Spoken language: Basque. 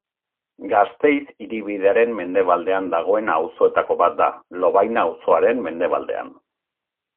Gasteiz hiribidearen mendebaldean dagoen auzoetako bat da, Lovaina auzoaren mendebaldean.